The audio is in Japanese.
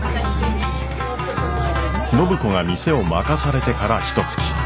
暢子が店を任されてからひとつき。